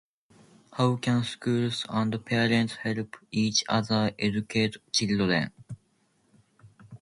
How can schools and the parents help each other educate children?